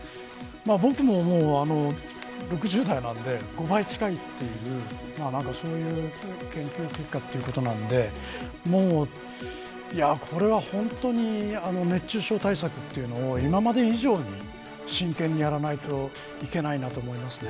僕も６０代なので５倍近いというそういう研究結果ということなのでこれは本当に熱中症対策というのを今まで以上に真剣にやらないといけないなと思いますね。